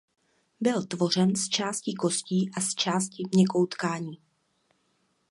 Byl tvořen zčásti kostí a zčásti měkkou tkání.